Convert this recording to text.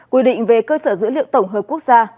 quy định về cơ sở dữ liệu tổng hợp quốc gia